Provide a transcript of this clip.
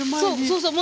そうそう。